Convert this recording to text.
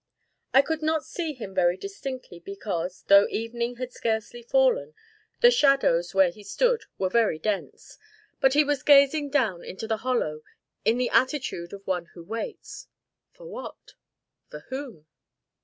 I could not see him very distinctly because, though evening had scarcely fallen, the shadows, where he stood, were very dense, but he was gazing down into the Hollow in the attitude of one who waits. For what? for whom?